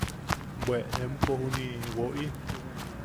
¡Bwe empo juniʼi woʼi!